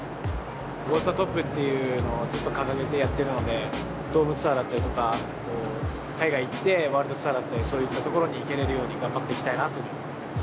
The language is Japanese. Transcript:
ＧｏｔｏｔｈｅＴＯＰっていうのをずっと掲げてやってるのでドームツアーだったりとか海外行ってワールドツアーだったりそういったところに行けれるように頑張っていきたいなと思います。